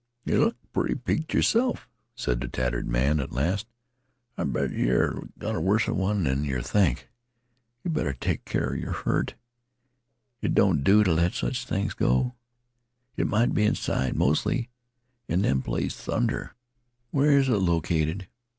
"Yeh look pretty peek ed yerself," said the tattered man at last. "I bet yeh 've got a worser one than yeh think. Ye'd better take keer of yer hurt. It don't do t' let sech things go. It might be inside mostly, an' them plays thunder. Where is it located?"